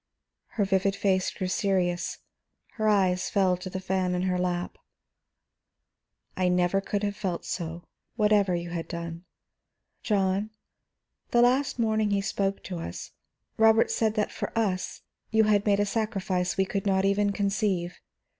Her vivid face grew serious, her eyes fell to the fan in her lap. "I could never have felt so, whatever you had done. John, the last morning he spoke to us, Robert said that for us you had made a sacrifice we could not even conceive.